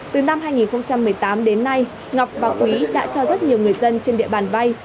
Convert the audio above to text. từ năm hai nghìn một mươi tám đến nay ngọc và quý đã cho rất nhiều người dân trên địa bàn vay